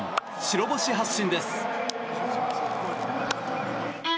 白星発進です。